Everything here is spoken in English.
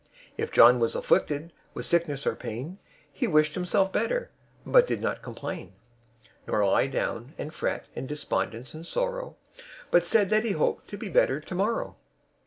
If John was afflicted with sickness or pain, He wished himself better, but did not complain, Nor lie down and fret in despondence and sorrow, But said that he hoped to be better to morrow.